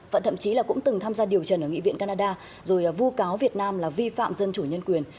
và thậm chí là cũng từng tham gia điều trần ở nghị viện canada rồi vu cáo việt nam là vi phạm dân chủ nhân quyền